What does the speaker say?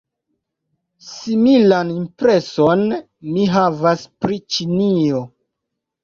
Similan impreson mi havas pri Ĉinio.